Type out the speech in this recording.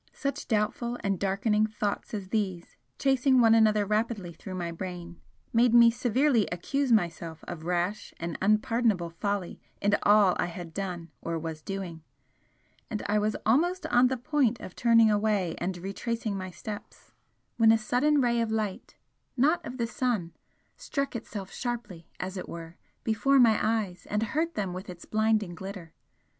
Such doubtful and darkening thoughts as these, chasing one another rapidly through my brain, made me severely accuse myself of rash and unpardonable folly in all I had done or was doing, and I was almost on the point of turning away and retracing my steps, when a sudden ray of light, not of the sun, struck itself sharply as it were before my eyes and hurt them with its blinding glitter.